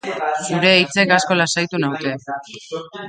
Zure hitzek asko lasaitu naute.